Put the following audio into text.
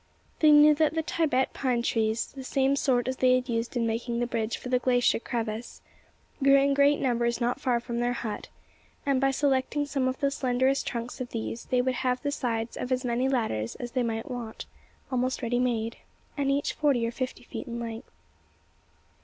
They knew that the Thibet pine trees the same sort as they had used in making the bridge for the glacier crevasse grew in great numbers not far from their hut; and by selecting some of the slenderest trunks of these, they would have the sides of as many ladders as they might want, almost ready made, and each forty or fifty feet in length.